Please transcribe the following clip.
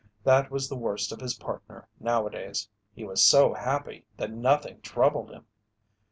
That was the worst of his partner nowadays, he was so happy that nothing troubled him.